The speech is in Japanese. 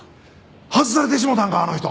外されてしもうたんかあの人！